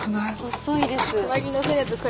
細いです。